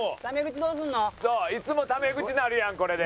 そういつもタメ口なるやんこれで。